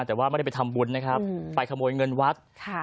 แต่ว่าไม่ได้ไปทำบุญนะครับไปขโมยเงินวัด